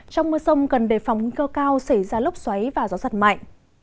trong mưa sông gần đề phòng cơ cao xảy ra lốc xoáy và gió giật mạnh